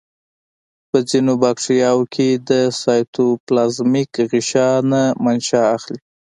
په ځینو باکتریاوو کې د سایتوپلازمیک غشا نه منشأ اخلي.